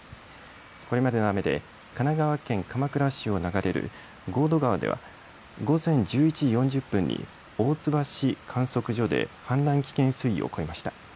これまでの雨で神奈川県鎌倉市を流れる神戸川では午前１１時４０分に大津橋観測所で氾濫危険水位を超えました。